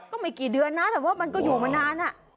ก็ไม่กี่เดือนนะแต่ว่ามันก็อยู่มานาน